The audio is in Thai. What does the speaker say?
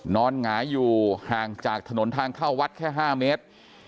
หงายอยู่ห่างจากถนนทางเข้าวัดแค่๕เมตร